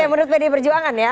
oke menurut pd perjuangan ya